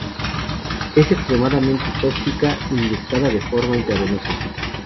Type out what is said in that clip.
Es extremadamente tóxica inyectada de forma intravenosa.